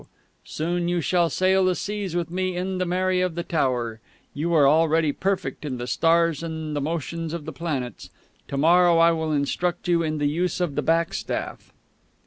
Soon you shall sail the seas with me in the Mary of the Tower. You are already perfect in the stars and the motions of the planets; to morrow I will instruct you in the use of the backstaff...."